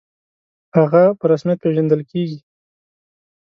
«هغه» په رسمیت پېژندل کېږي.